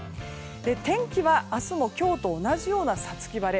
天気は、明日も今日と同じような五月晴れ。